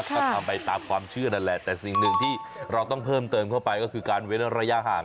ก็ทำไปตามความเชื่อนั่นแหละแต่สิ่งหนึ่งที่เราต้องเพิ่มเติมเข้าไปก็คือการเว้นระยะห่าง